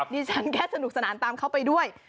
ดิฉันแค่สนุกสนานตามเขาไปด้วย